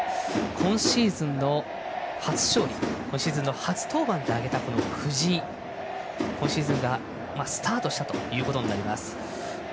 今シーズンの初勝利を今シーズンの初登板で挙げた藤井今シーズンがスタートしたということになります。